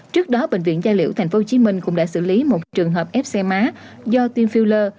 trước đó bệnh viện gia liễu tp hcm cũng đã xử lý một trường hợp ép xe má do tiêm filler